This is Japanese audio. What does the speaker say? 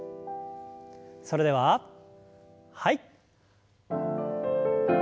それでははい。